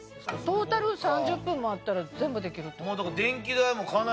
トータル３０分もあったら全部できる？